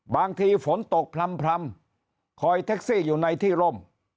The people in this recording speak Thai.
บางทีฝนตกพร่ำคอยแท็กซี่อยู่ในที่ร่ม